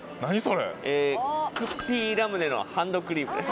クッピーラムネのハンドクリームです